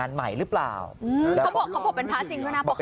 ก็เหมือนแบบไปทะเลอะไรอย่างนี้